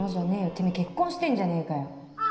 てめぇ結婚してんじゃねえかよ。